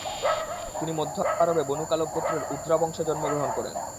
তিনি মধ্য আরবে বনু-কালব গোত্রের উধ্রা বংশে জন্ম গ্রহণ করেন।